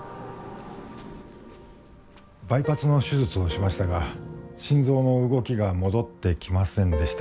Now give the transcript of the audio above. バイパスの手術をしましたが心臓の動きが戻ってきませんでした。